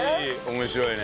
面白いね。